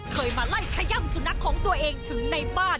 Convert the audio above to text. เคยมาไล่ขย่ำสุนัขของตัวเองถึงในบ้าน